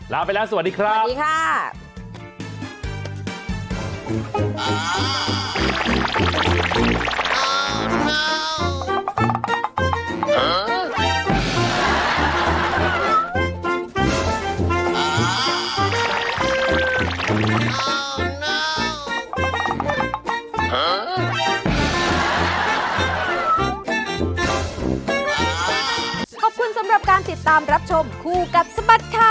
ลาไปแล้วสวัสดีครับสวัสดีค่ะ